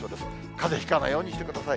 かぜひかないようにしてください。